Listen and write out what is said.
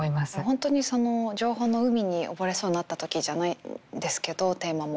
本当に「情報の海に溺れそうになった時」じゃないんですけどテーマも。